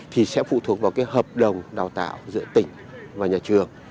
thì sẽ phụ thuộc vào cái hợp đồng đào tạo giữa tỉnh và nhà trường